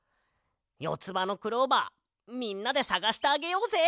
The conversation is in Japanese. よつばのクローバーみんなでさがしてあげようぜ！